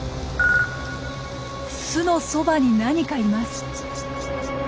巣のそばに何かいます！